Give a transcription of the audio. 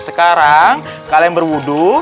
sekarang kalian berwudu